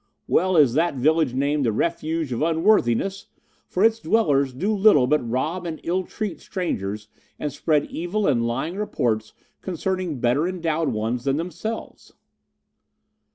"Well is that village named 'The Refuge of Unworthiness,' for its dwellers do little but rob and illtreat strangers, and spread evil and lying reports concerning better endowed ones than themselves."